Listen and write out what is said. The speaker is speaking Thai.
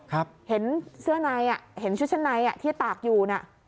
ครับเห็นเสื้อในเห็นชุดชั้นในที่ตากอยู่น่ะ